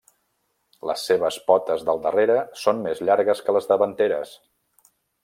Les seves potes del darrere són més llargues que les davanteres.